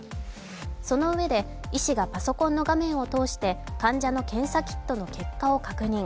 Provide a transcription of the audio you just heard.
そのうえで、医師がパソコンの画面を通して患者の検査キットの結果を確認。